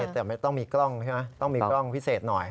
แต่ไม่ต้องมีกล้องใช่ไหมต้องมีกล้องพิเศษหน่อย